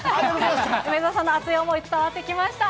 梅澤さんの熱い思い、伝わってきました。